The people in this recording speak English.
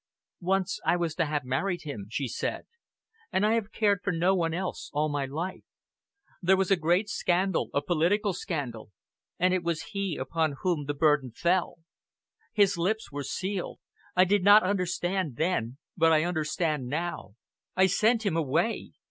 "Once I was to have married him," she said, "and I have cared for no one else all my life. There was a great scandal a political scandal and it was he upon whom the burden fell. His lips were sealed. I did not understand then, but I understand now. I sent him away!